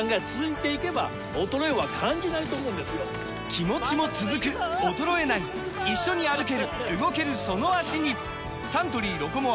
気持ちも続く衰えない一緒に歩ける動けるその脚にサントリー「ロコモア」！